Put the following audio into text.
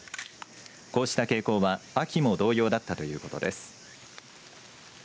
こうした傾向は秋も同様だったということです。